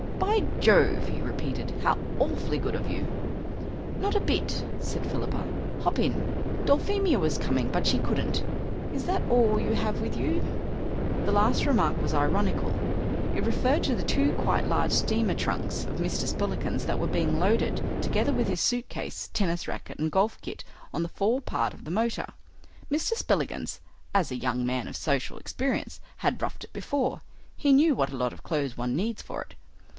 "By Jove!" he repeated, "how awfully good of you!" "Not a bit," said Philippa. "Hop in. Dulphemia was coming, but she couldn't. Is that all you have with you?" The last remark was ironical. It referred to the two quite large steamer trunks of Mr. Spillikins that were being loaded, together with his suit case, tennis racket, and golf kit, on to the fore part of the motor. Mr. Spillikins, as a young man of social experience, had roughed it before. He knew what a lot of clothes one needs for it.